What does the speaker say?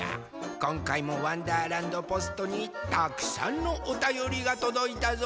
こんかいも「わんだーらんどポスト」にたくさんのおたよりがとどいたぞ。